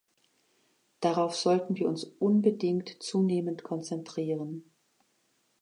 Darauf sollten wir uns unbedingt zunehmend konzentrieren.